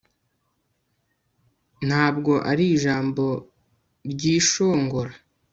Ntabwo ari ijambo ryishongora